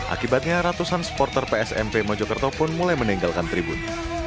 akibatnya ratusan supporter psmp mojokerto pun mulai meninggalkan tribun